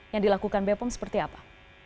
yang dilakukan bepom seperti apa